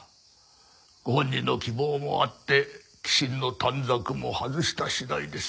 ご本人の希望もあって寄進の短冊も外した次第です。